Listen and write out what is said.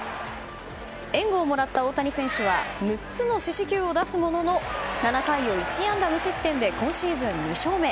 援護をもらった大谷選手は６つの四死球を出すものの７回を１安打無失点で今シーズン２勝目。